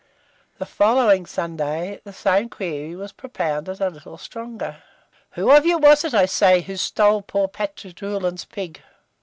The following Sunday the same query was propounded a little stronger "Who of you was it, I say, who stole poor Pat Doolan's pig?"